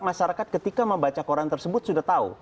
masyarakat ketika membaca koran tersebut sudah tahu